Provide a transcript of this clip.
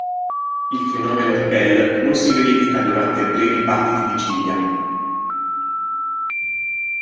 Il fenomeno di Bell non si verifica durante brevi battiti di ciglia.